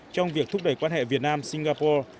trong việc thúc đẩy quan hệ việt nam singapore